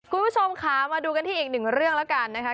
คุณผู้ชมค่ะมาดูกันที่อีกหนึ่งเรื่องแล้วกันนะคะ